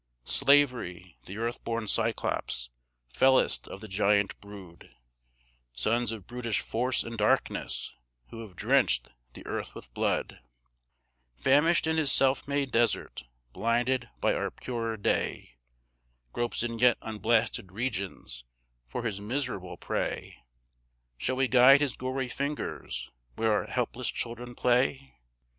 Slavery, the earthborn Cyclops, fellest of the giant brood, Sons of brutish Force and Darkness, who have drenched the earth with blood, Famished in his self made desert, blinded by our purer day, Gropes in yet unblasted regions for his miserable prey; Shall we guide his gory fingers where our helpless children play?